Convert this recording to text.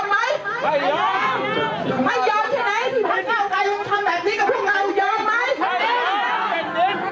นี้คืนเห็นอยู่จากโยงสถาบันไหมคะนี่คืนกรุงในก้อครับเห็นรึไงคะ